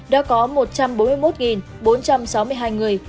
đã có một trăm bốn mươi một bốn trăm sáu mươi hai người